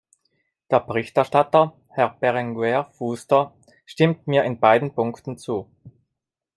Der Berichterstatter, Herr Berenguer Fuster, stimmt mir in beiden Punkten zu.